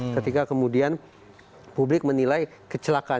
ketika kemudian publik menilai kecelakaan